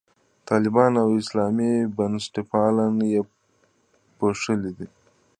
طالبان او اسلامي بنسټپالنه یې پوښلي دي.